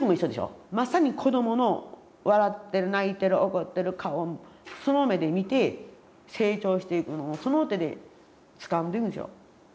まさに子どもの笑ってる泣いてる怒ってる顔をその目で見て成長していくその手でつかんでるんですよ。